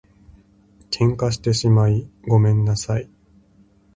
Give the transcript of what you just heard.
喧嘩してしまいごめんなさい